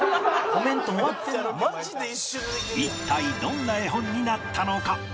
一体どんな絵本になったのか？